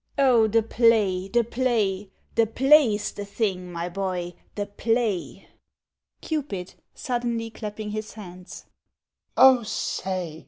Oh, the play! the play! The play's the thing! My boy, the play!! CUPID (suddenly clapping his hands) Oh, say!